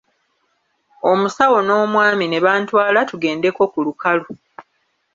Omusawo n'Omwami ne bantwala tugendeko ku lukalu.